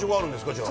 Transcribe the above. じゃあ。